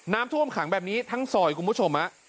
น้ำท่วมขังแบบนี้ทั้งซอยคุณผู้ชม